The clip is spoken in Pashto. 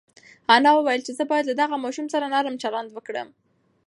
انا وویل چې زه باید له دغه ماشوم سره نرم چلند وکړم.